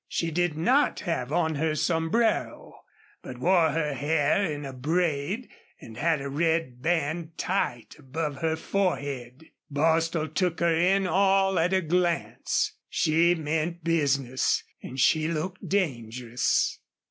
She did not have on her sombrero. She wore her hair in a braid, and had a red band tight above her forehead. Bostil took her in all at a glance. She meant business and she looked dangerous.